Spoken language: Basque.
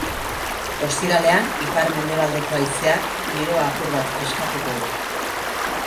Ostiralean, ipar-mendebaldeko haizeak giroa apur batfreskatuko du.